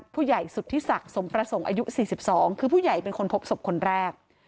ผู้ใหญ่สุธิศักดิ์สมประสงค์อายุ๔๒คือผู้ใหญ่เป็นคนพบศพคนแรก